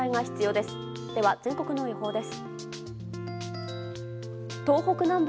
では、全国の予報です。